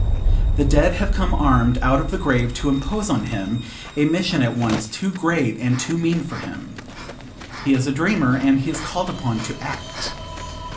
The dead have come armed out of the grave to impose on him a mission at once too great and too mean for him. He is a dreamer, and he is called upon to act.